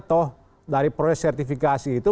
toh dari proses sertifikasi itu